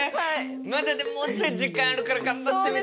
まだでももうちょい時間あるから頑張ってみて。